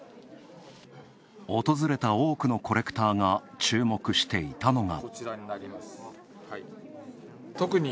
訪れた多くのコレクターが注目していたのが。